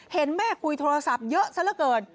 เห็นแม่คุยโทรศัพท์เยอะซะละเกิน